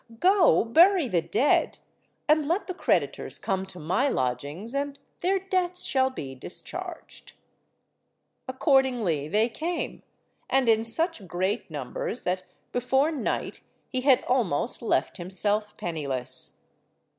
Go, bury the dead, and let the creditors come to my lodgings, and their debts shall be discharged." Accordingly they came, and in such great numbers that before night he had almost left himself penniless.